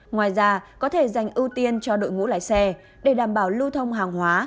ngoài ra có thể dành ưu tiên cho đội ngũ lái xe để đảm bảo lưu thông hàng hóa